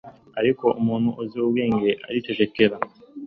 ariko umuntu uzi ubwenge aricecekera